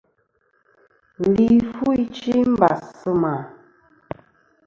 Li fu ichɨ i mbàs sɨ mà.